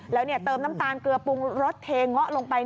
แล้วเติมน้ำตาลเกลือปรุงรสเทเงาะลงไป